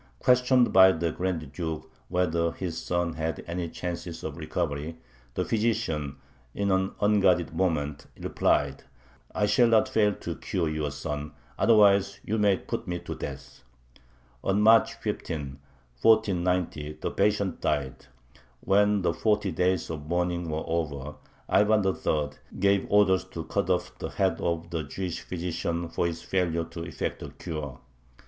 Questioned by the Grand Duke whether his son had any chances of recovery, the physician, in an unguarded moment, replied: "I shall not fail to cure your son; otherwise you may put me to death!" On March 15, 1490, the patient died. When the forty days of mourning were over, Ivan III. gave orders to cut off the head of the Jewish physician for his failure to effect a cure.